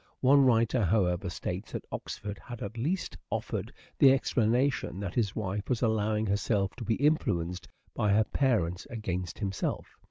One writer, however, states that Oxford had at least offered the explanation that his wife was allowing herself to be influenced by her parents against himself.